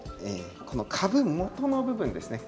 この株元の部分ですね